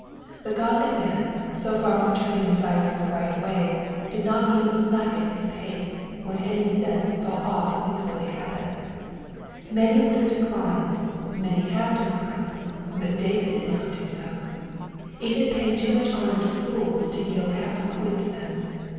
The godly man, so far from turning aside from the right way, did not even slacken his pace, or in any sense fall off from his holy habits. Many would have declined, many have declined, but David did not do so. It is paying too much honour to fools to yield half a point to them.